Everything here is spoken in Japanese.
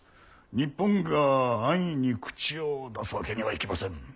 日本が安易に口を出すわけにはいきません。